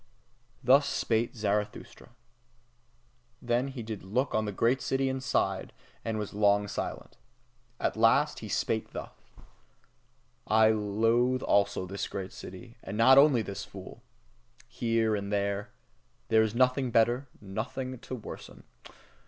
Thus spake Zarathustra. Then did he look on the great city and sighed, and was long silent. At last he spake thus: I loathe also this great city, and not only this fool. Here and there there is nothing to better, nothing to worsen.